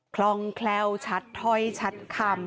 คล่องแคล่วชัดถ้อยชัดคำ